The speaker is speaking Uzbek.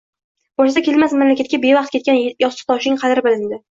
Borsa kelmas mamlakatga bevaqt ketgan yostikdoshining qadri bilindi